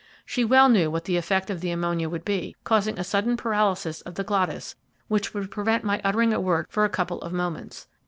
She well knew what the effect of the ammonia would be, causing a sudden paralysis of the glottis, which would prevent my uttering a word for a couple of moments.